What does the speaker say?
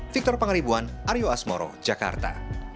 victor pangaribuan aryo asmoro jakarta